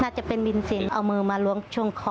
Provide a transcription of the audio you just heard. น่าจะเป็นบินซินเอามือมาล้วงช่วงคอ